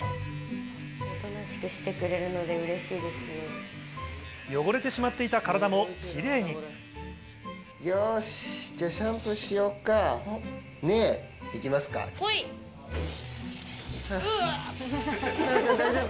おとなしくしてくれるのでうれし汚れてしまっていた体もきれよーし、じゃあ、シャンプーしようか。